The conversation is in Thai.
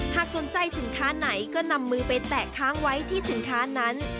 หากสนใจสินค้าไหนก็นำมือไปแตะค้างไว้ที่สินค้านั้น